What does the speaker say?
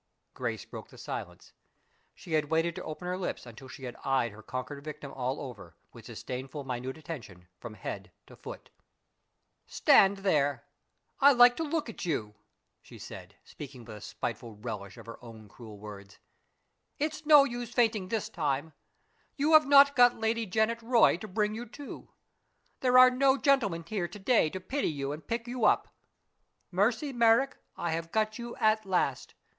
Grace broke the silence. She had waited to open her lips until she had eyed her conquered victim all over, with disdainfully minute attention, from head to foot. "Stand there. I like to look at you," she said, speaking with a spiteful relish of her own cruel words. "It's no use fainting this time. You have not got Lady Janet Roy to bring you to. There are no gentlemen here to day to pity you and pick you up. Mercy Merrick, I have got you at last.